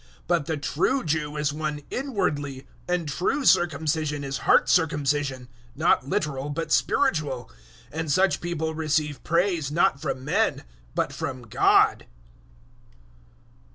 002:029 But the true Jew is one inwardly, and true circumcision is heart circumcision not literal, but spiritual; and such people receive praise not from men, but from God.